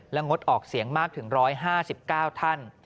งดออกเสียงมากถึง๑๕๙ท่าน